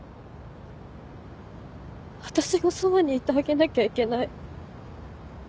私がそばにいてあげなきゃいけない。